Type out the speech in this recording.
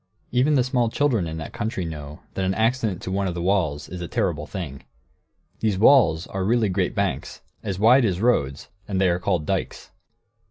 Even the small children in that country know that an accident to one of the walls is a terrible thing. These walls are really great banks, as wide as roads, and they are called "dikes."